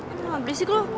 emang berisik lu